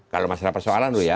kalau masalah persoalan dulu ya